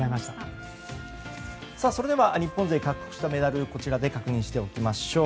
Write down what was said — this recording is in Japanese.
それでは日本勢獲得したメダルをこちらで確認しておきましょう。